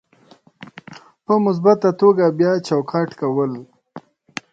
په مثبته توګه بیا چوکاټ کول: